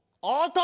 ああ！